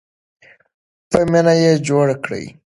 په مینه یې جوړ کړئ.